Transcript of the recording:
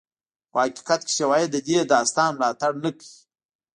خو حقیقت کې شواهد د دې داستان ملاتړ نه کوي.